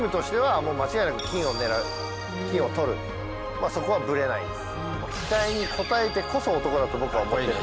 まあそこはブレないです。